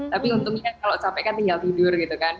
tapi untungnya kalau capek kan tinggal tidur gitu kan